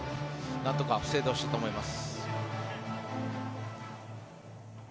なんとか防いでほしいと思います。